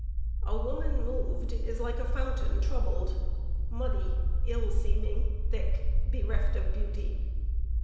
A woman moved is like a fountain troubled, Muddy, ill seeming, thick, bereft of beauty.